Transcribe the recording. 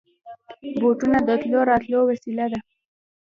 بوټونه د تلو راتلو وسېله ده.